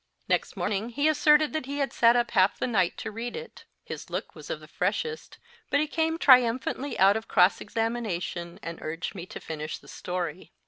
Next morning he asserted that he had sat up half the night to read it. His look was of the freshest, but he came triumphantly out of cross examination, and urged me to finish the story.